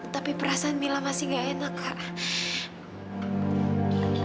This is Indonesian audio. tapi perasaan mila masih gak enak kak